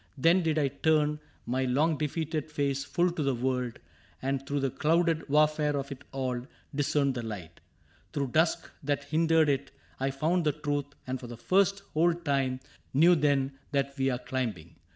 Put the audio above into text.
Then did I turn My long defeated face full to the world. And through the clouded warfare of it all Discern the light. Through dusk that hindered . it, I found the truth, and for the first whole time CAPTAIN CRAIG 65 Knew then that we were climbing.